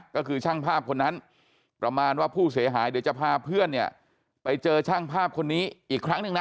ก็คือช่างภาพคนนั้นประมาณว่าผู้เสียหายเดี๋ยวจะพาเพื่อนเนี่ยไปเจอช่างภาพคนนี้อีกครั้งหนึ่งนะ